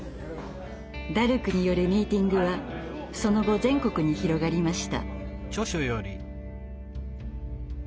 ダルクによるミーティングはその後全国に広がりました。